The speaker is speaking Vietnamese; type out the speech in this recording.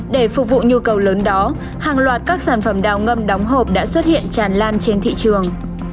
để phục vụ nhu cầu lớn đó hàng loạt các sản phẩm đào ngầm đóng hộp đã xuất hiện tràn lan trên thị trường